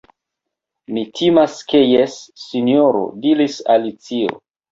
"Mi timas ke jes, Sinjoro," diris Alicio. "